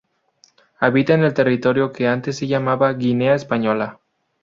Habita en el territorio que antes se llamaba Guinea Española.